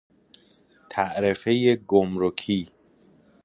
تعرفۀ گمرکی